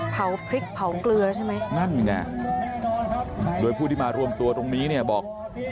เผาพริกเผาเกลือใช่ไหมนั่นไงโดยผู้ที่มารวมตัวตรงนี้เนี่ยบอก